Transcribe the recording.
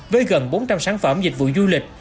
với gần bốn trăm linh sản phẩm dịch vụ du lịch